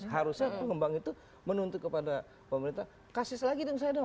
harusnya pengembang itu menuntut kepada pemerintah kasih lagi dong saya dong